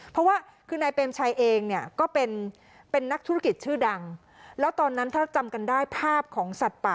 เพราะว่าคือในเปรมชัยเองเนี่ยก็เป็นนักธุรกิจชื่อดัง